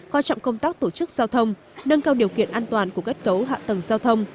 coi trọng công tác tổ chức giao thông nâng cao điều kiện an toàn của kết cấu hạ tầng giao thông